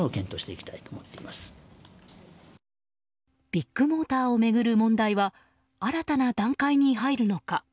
ビッグモーターを巡る問題は新たな段階に入るのか。